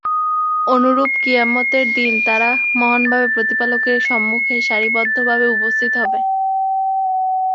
অনুরূপ কিয়ামতের দিন তারা মহান প্রতিপালকের সম্মুখে সারিবদ্ধভাবে উপস্থিত হবে।